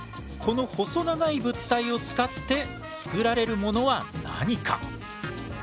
この細長い物体を使って作られるものは何か？